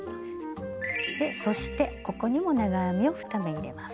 でそしてここにも長編みを２目入れます。